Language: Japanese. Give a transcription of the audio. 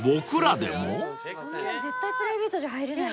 絶対プライベートじゃ入れない。